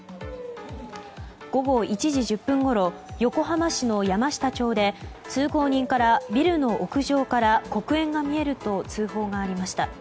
午後１時１０分ごろ横浜市の山下町で通行人からビルの屋上から黒煙が見えると通報がありました。